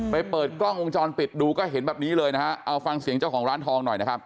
เปิดกล้องวงจรปิดดูก็เห็นแบบนี้เลยนะฮะเอาฟังเสียงเจ้าของร้านทองหน่อยนะครับ